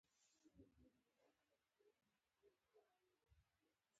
چې ستاسې د لاشعور منځپانګې په فزيکي او رښتينې بڼه اړوي.